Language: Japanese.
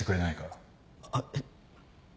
あっえっ。